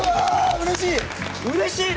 うれしいね！